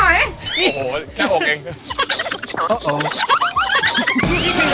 เข้าไปที่เถอะนะอ่ะโดนเวลาย่ะ